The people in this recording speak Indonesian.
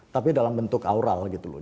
tapi dalam bentuk aural gitu loh